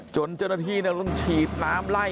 จนเจ้าหน้าที่ต้องฉีดน้ำไล่